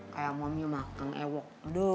kayak mami makan ewok